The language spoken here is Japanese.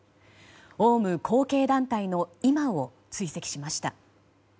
オウム後継団体の今を追跡しました。